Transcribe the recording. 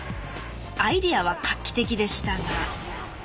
アイデアは画期的でしたが。